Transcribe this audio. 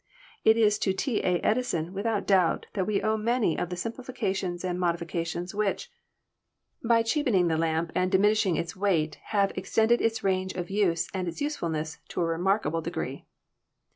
It is to T. A. Edison, without doubt, that we owe many of the simplifications and modifications which, by cheapening the HISTORY OF ELECTRIC LIGHTING 235 lamp and diminishing its weight, have extended its range of use and its usefulness to a remarkable degree.